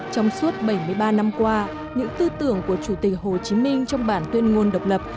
trong suốt bảy mươi ba năm qua những tư tưởng của chủ tịch hồ chí minh trong bản tuyên ngôn độc lập